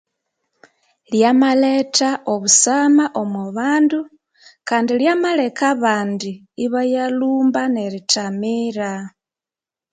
Lyamalethe obusama omo bandu kandi lyama leka abandi ibaya lumba nerithamira